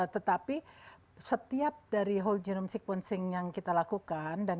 tetapi setiap dari whole genome sequencing yang kita lakukan